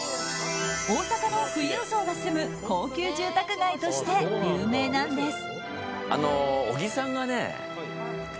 大阪の富裕層が住む高級住宅街として有名なんです。